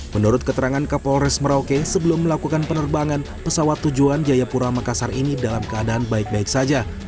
menurut keterangan kapolres merauke sebelum melakukan penerbangan pesawat tujuan jayapura makassar ini dalam keadaan baik baik saja